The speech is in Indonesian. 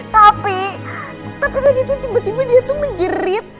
tapi tapi tadi tuh tiba tiba dia tuh menjerit